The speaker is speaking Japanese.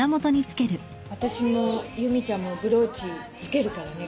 私も由美ちゃんもブローチ着けるからね